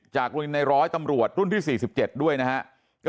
จากโรงเรียนไนร้อยตำรวจรุ่นที่๔๗ด้วยนะฮะ